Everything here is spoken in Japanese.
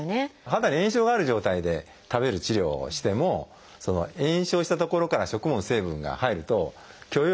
肌に炎症がある状態で食べる治療をしても炎症したところから食物の成分が入ると許容量を下げてしまいますので。